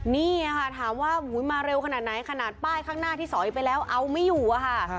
นี่ค่ะถามว่ามาเร็วขนาดไหนขนาดป้ายข้างหน้าที่สอยไปแล้วเอาไม่อยู่อะค่ะ